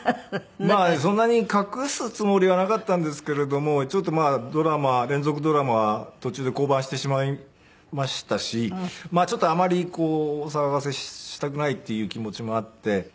まあそんなに隠すつもりはなかったんですけれどもちょっとドラマ連続ドラマ途中で降板してしまいましたしあまりお騒がせしたくないっていう気持ちもあって。